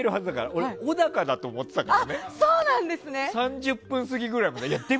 俺、小高だと思ってたからね３０分過ぎぐらいまで。